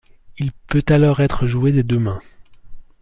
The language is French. Il peut alors être joué des deux mains.